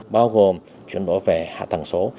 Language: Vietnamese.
bao gồm chuyển đổi về hạ tầng số